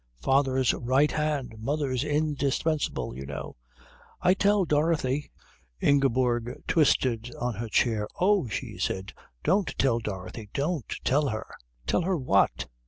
"Father's right hand, mother's indispensable, you know. I tell Dorothy " Ingeborg twisted on her chair. "Oh," she said, "don't tell Dorothy don't tell her " "Tell her what?